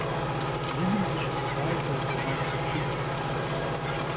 Блыным зыщызыгъазэ, зэман пыбжыкӀ.